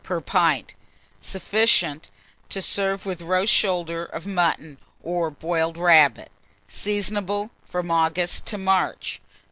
per pint. Sufficient to serve with a roast shoulder of mutton, or boiled rabbit. Seasonable from August to March.